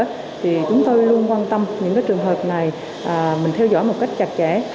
thì chúng tôi luôn quan tâm những cái trường hợp này mình theo dõi một cách chặt chẽ